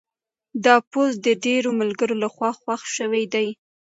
دا پوسټ د ډېرو ملګرو لخوا خوښ شوی دی.